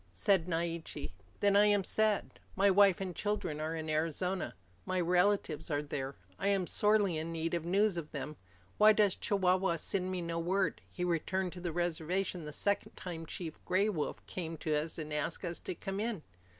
Said Naiche, "Then I am sad. My wife and children are in Arizona. My relatives are there. I am sorely in need of news of them. Why does Chihuahua send me no word? He returned to the reservation the second time Chief Gray Wolf came to us and asked us to come in."